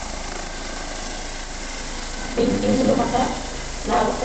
জিঞ্জিরগুলো মাথার নড়াচড়ায় তাঁর মুখমণ্ডলের সামনে এবং আগে পিছে ঝুলছিল।